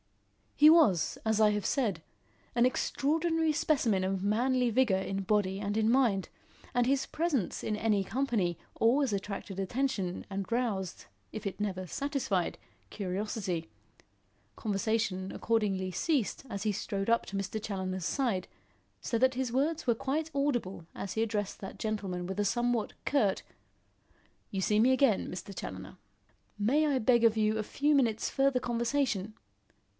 He was, as I have said, an extraordinary specimen of manly vigour in body and in mind, and his presence in any company always attracted attention and roused, if it never satisfied, curiosity. Conversation accordingly ceased as he strode up to Mr. Challoner's side, so that his words were quite audible as he addressed that gentleman with a somewhat curt: "You see me again, Mr. Challoner. May I beg of you a few minutes' further conversation?